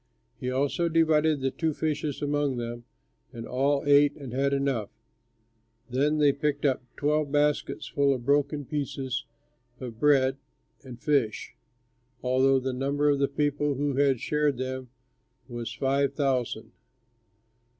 He also divided the two fishes among them, and all ate and had enough. Then they picked up twelve baskets full of broken pieces of the bread and fish, although the number of the people who had shared them was five thousand.